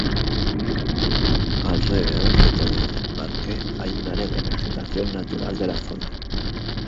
Alrededor de todo el parque hay un área de vegetación natural de la zona.